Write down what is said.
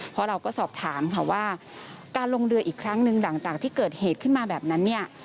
เพราะเราก็สอบถามค่ะว่าการลงเรืออีกครั้งหนึ่งหลังจากที่เกิดเหตุขึ้นมาแบบนั้นเนี่ย